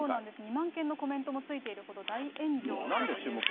２万件のコメントもついているほど、大炎上ということで。